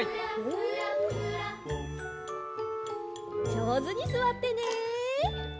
じょうずにすわってね！